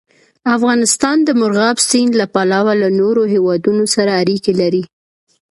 افغانستان د مورغاب سیند له پلوه له نورو هېوادونو سره اړیکې لري.